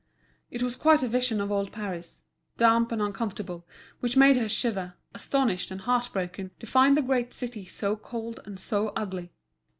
It was quite a vision of old Paris, damp and uncomfortable, which made her shiver, astonished and heart broken to find the great city so cold and so ugly.